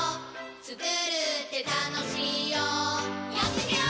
つくるってたのしいよやってみよー！